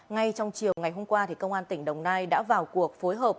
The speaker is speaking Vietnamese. ngay trong chiều ngày hôm qua công an tỉnh đồng nai đã vào cuộc phối hợp